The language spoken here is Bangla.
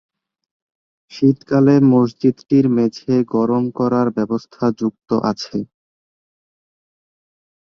শীতকালে মসজিদটির মেঝে গরম করার ব্যবস্থা যুক্ত আছে।